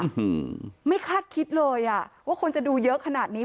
หือไม่คาดคิดเลยอ่ะว่าคนจะดูเยอะขนาดนี้